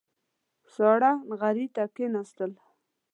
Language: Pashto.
ساړه نغري ته کېناستل.